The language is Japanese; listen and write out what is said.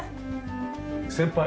先輩？